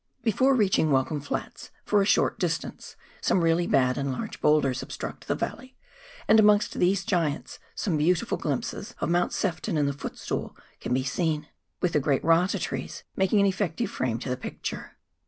Before reaching Vi^elcome Flats, for a short distance some really bad and large boulders obstruct the valley, and amongst these giants, some beautiful glimpses of Mount Sef ton and the Footstool can be seen, with the great rata trees making an effective frame to the picture.